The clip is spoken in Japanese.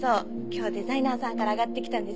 今日デザイナーさんからあがってきたんです。